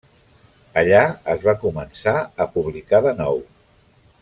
Allà es va començar a publicar de nou.